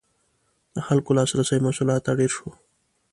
• د خلکو لاسرسی محصولاتو ته ډېر شو.